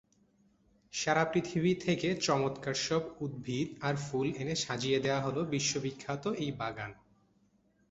সারা পৃথিবী থেকে চমৎকার সব উদ্ভিদ আর ফুল এনে সাজিয়ে দেয়া হল বিশ্ববিখ্যাত এই বাগান।